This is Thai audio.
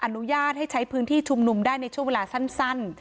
อนุญาตให้ใช้พื้นที่ชุมนุมได้ในช่วงเวลาสั้น